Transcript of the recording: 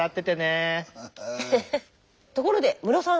ところでムロさん。